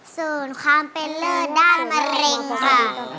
ส่วนความเป็นเลิศด้านมะเร็งค่ะ